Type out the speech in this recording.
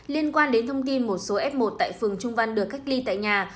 liên quan đến thông tin một số f một tại phường trung văn được cách ly tại nhà